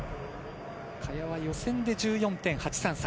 萱は予選で１４．８３３。